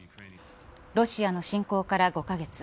ロシアの侵攻から５カ月。